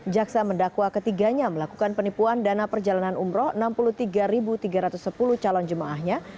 jaksa mendakwa ketiganya melakukan penipuan dana perjalanan umroh enam puluh tiga tiga ratus sepuluh calon jemaahnya